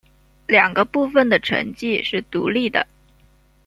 两个部分的成绩是独立的。